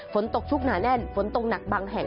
ฝนตกชุกหนาแน่นฝนตกหนักบางแห่ง